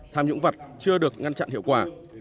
tham nhũng vật chưa được ngăn chặn hiệu quả